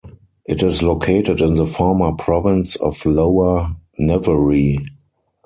It is located in the former province of Lower Navarre.